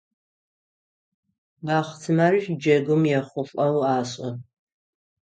Бахъсымэр джэгум ехъулӏэу ашӏы.